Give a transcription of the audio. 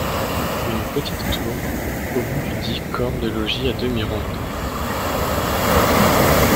Une petite tour au bout du dit corps de logis à demi ronde.